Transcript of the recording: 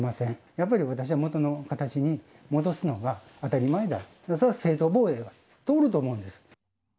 やっぱり私は元の形に戻すのが当たり前だ、それは正当防衛が通ると思うんです。